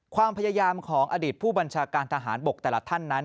ความพยายามของอดีตผู้บัญชาการทหารบกแต่ละท่านนั้น